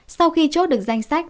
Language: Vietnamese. sau khi chốt được danh sách